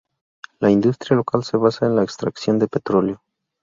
La industria local se basa en la extracción de petróleo.